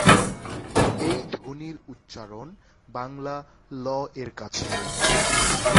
এই ধ্বনির উচ্চারণ বাংলা "ল"-এর কাছে।